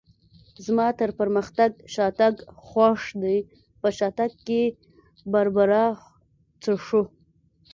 زما تر پرمختګ شاتګ خوښ دی، په شاتګ کې باربرا څښو.